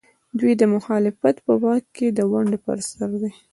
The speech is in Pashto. د دوی مخالفت په واک کې د ونډې پر سر دی.